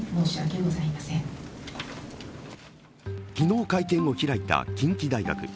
昨日会見を開いた近畿大学。